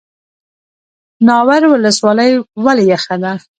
ناور ولسوالۍ ولې یخه ده؟